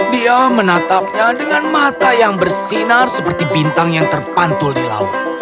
dia menatapnya dengan mata yang bersinar seperti bintang yang terpantul di laut